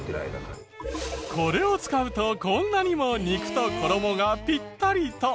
これを使うとこんなにも肉と衣がピッタリと！